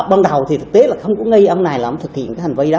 ban đầu thì thực tế là không có nghi ông này làm thực hiện cái hành vi đó